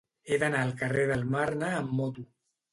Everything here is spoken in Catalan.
He d'anar al carrer del Marne amb moto.